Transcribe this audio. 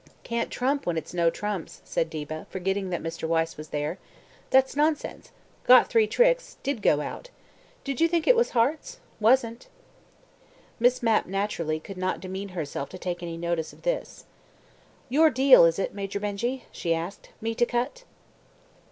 "Can't trump when it's no trumps," said Diva, forgetting that Mr. Wyse was there. "That's nonsense. Got three tricks. Did go out. Did you think it was hearts? Wasn't." Miss Mapp naturally could not demean herself to take any notice of this. "Your deal, is it, Major Benjy?" she asked. "Me to cut?"